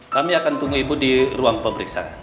kami akan tunggu ibu di ruang pemeriksaan